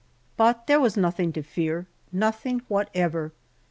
But there was nothing to fear nothing whatever.